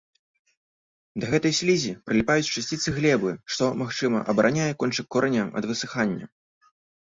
Да гэтай слізі прыліпаюць часціцы глебы, што, магчыма, абараняе кончык кораня ад высыхання.